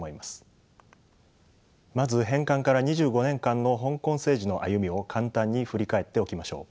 まず返還から２５年間の香港政治の歩みを簡単に振り返っておきましょう。